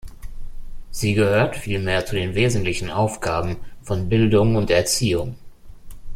Sie gehört vielmehr zu den wesentlichen Aufgaben von Bildung und Erziehung.